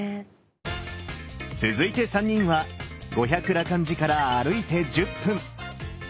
続いて３人は五百羅漢寺から歩いて１０分。